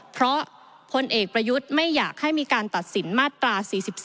เพราะพลเอกประยุทธ์ไม่อยากให้มีการตัดสินมาตรา๔๒